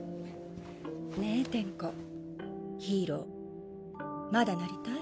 ねえ転弧ヒーローまだなりたい？